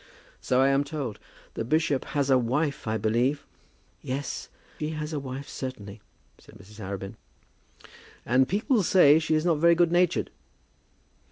"So I am told. The bishop has a wife, I believe." "Yes, he has a wife, certainly," said Mrs. Arabin. "And people say that she is not very good natured."